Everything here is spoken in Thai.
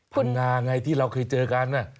พังงาไงที่เราเคยเจอกัน